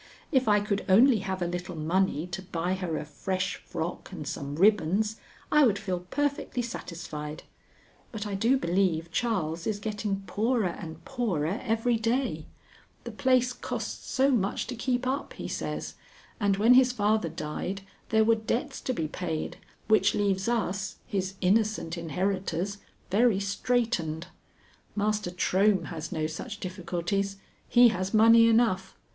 If I could only have a little money to buy her a fresh frock and some ribbons, I would feel perfectly satisfied; but I do believe Charles is getting poorer and poorer every day; the place costs so much to keep up, he says, and when his father died there were debts to be paid which leaves us, his innocent inheritors, very straitened. Master Trohm has no such difficulties. He has money enough.